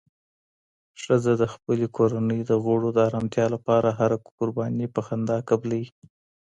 ښځه د خپلې کورنۍ د غړو د ارامتیا لپاره هره قرباني په خندا قبلوي